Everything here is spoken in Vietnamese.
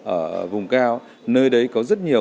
ở vùng cao nơi đấy có rất nhiều